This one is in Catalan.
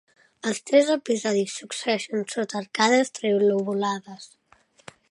Els tres episodis succeeixen sota arcades trilobulades.